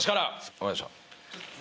分かりました。